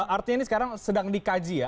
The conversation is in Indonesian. artinya ini sekarang sedang dikaji ya